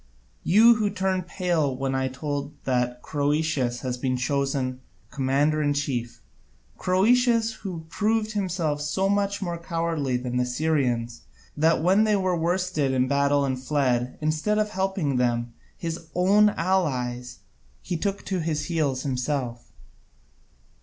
You who turn pale when told that Croesus has been chosen commander in chief, Croesus who proved himself so much more cowardly than the Syrians, that when they were worsted in battle and fled, instead of helping them, his own allies, he took to his heels himself.